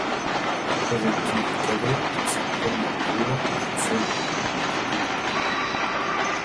Le projectile est calé entre cette première bourre et une seconde, introduite en dernier.